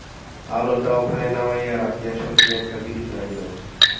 আলোটা ওখানে নামাইয়া রাখিয়া শশী একটা বিড়ি ধরাইল।